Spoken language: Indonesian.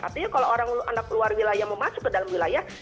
artinya kalau orang luar wilayah mau masuk ke dalam wilayah